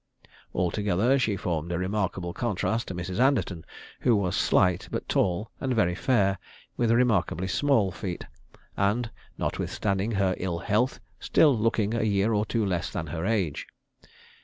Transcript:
Altogether she formed a remarkable contrast to Mrs. Anderton, who was slight but tall, and very fair, with remarkably small feet, and notwithstanding her ill health, still looking a year or two less than her age.